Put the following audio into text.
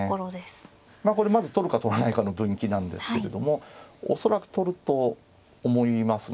これまず取るか取らないかの分岐なんですけれども恐らく取ると思いますね。